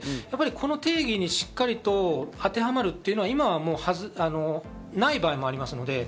この定義にしっかりと当てはまるというのは今はもうない場合もあります。